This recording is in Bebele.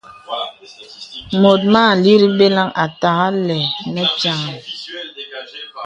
Mùt mà àlìrī beləŋghi à tà àleŋ nə pīaŋha.